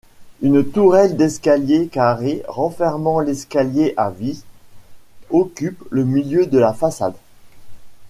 Une tourelle d'escalier carrée renfermant l'escalier à vis occupe le milieu de la façade.